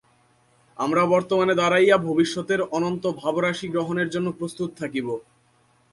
আমরা বর্তমানে দাঁড়াইয়া ভবিষ্যতের অনন্ত ভাবরাশি গ্রহণের জন্য প্রস্তুত থাকিব।